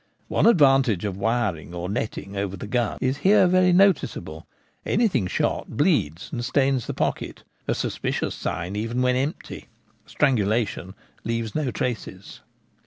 One advan tage of wiring or netting over the gun is here very noticeable : anything shot bleeds and stains the pocket — a suspicious sign even when empty ; strangu lation leaves no traces.